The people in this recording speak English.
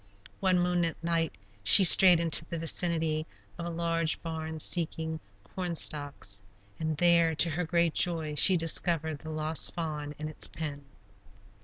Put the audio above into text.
One moonlight night she strayed into the vicinity of a large barn seeking corn stalks, and there, to her great joy, she discovered the lost fawn in its pen.